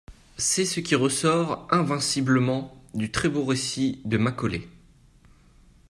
C'est ce qui ressort invinciblement du très-beau récit de Macaulay.